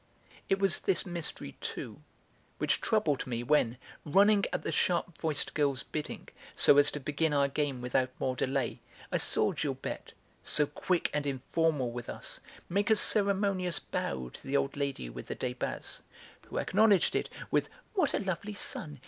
It was this mystery, too, which troubled me when, running at the sharp voiced girl's bidding, so as to begin our game without more delay, I saw Gilberte, so quick and informal with us, make a ceremonious bow to the old lady with the Débats (who acknowledged it with "What a lovely sun!